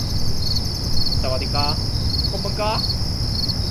His students included Sandro Botticelli.